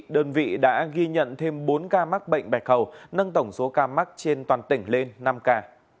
đơn vị đã ghi nhận thêm bốn ca mắc bệnh bạch hầu nâng tổng số ca mắc trên toàn tỉnh lên năm ca